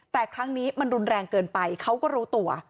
แต่ครั้งนี้มันรุนแรงเกินไปเขาก็รู้ตัว